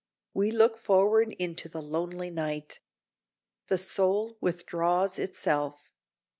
We look forward into the lonely night. The soul withdraws itself.